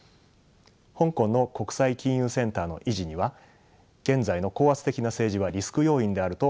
香港の国際金融センターの維持には現在の高圧的な政治はリスク要因であると考えられます。